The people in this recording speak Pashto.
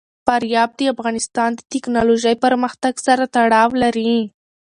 فاریاب د افغانستان د تکنالوژۍ پرمختګ سره تړاو لري.